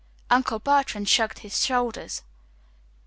Uncle Bertrand shrugged his shoulders.